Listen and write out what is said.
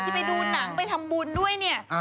ไปดูหนังไปทำบุญด้วยเนี่ย